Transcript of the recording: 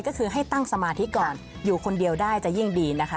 เรื่องของโชคลาบนะคะ